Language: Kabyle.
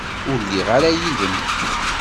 Ur lliɣ ara yid-m.